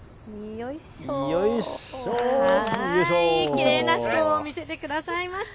きれいなしこを見せてくれました。